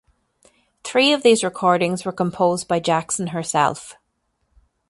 Three of these recordings were composed by Jackson herself.